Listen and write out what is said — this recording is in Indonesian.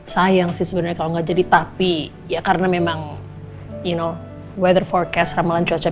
sayang sih sebenarnya nggak jadi tapi ya karena memang you know weather forecast ramalan cuaca